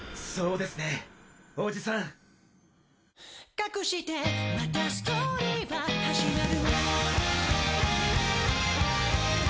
「かくしてまたストーリーは始まる」